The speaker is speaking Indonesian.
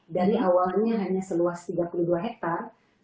dari awalnya hanya seluas tiga puluh dua hektare